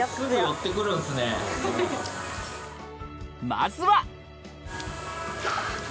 まずは！